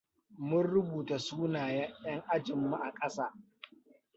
Mun rubuta sunayen ƴan ajinmu a ƙasa.